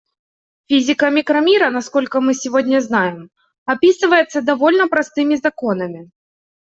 Физика микромира, насколько мы сегодня знаем, описывается довольно простыми законами.